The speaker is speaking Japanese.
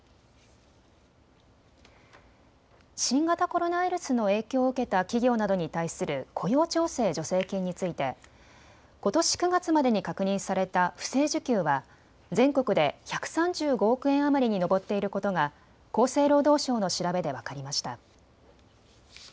新型コロナウイルスの影響を受けた企業などに対する雇用調整助成金についてことし９月までに確認された不正受給は全国で１３５億円余りに上っていることが厚生労働省の調べで分かりました。